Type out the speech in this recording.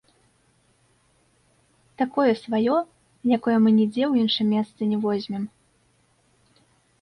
Такое сваё, якое мы нідзе ў іншым месцы не возьмем.